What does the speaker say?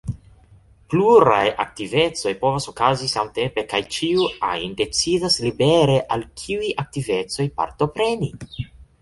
Pluraj aktivecoj povas okazi samtempe kaj ĉiu ajn decidas libere al kiuj aktivecoj partopreni.